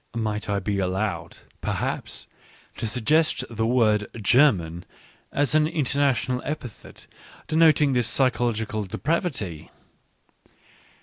Might I be allowed, perhaps, to suggest the word " Ger man " as an international epithet denoting this psy chological depravity